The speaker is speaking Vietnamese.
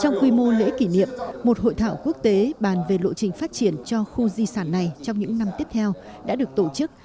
trong quy mô lễ kỷ niệm một hội thảo quốc tế bàn về lộ trình phát triển cho khu di sản này trong những năm tiếp theo đã được tổ chức